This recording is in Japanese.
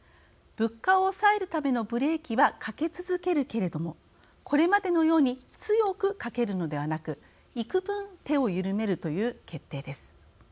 物価を抑えるためのブレーキはかけ続けるけれどもこれまでのように強くかけるのではなくいくぶん手を緩めるという決定です。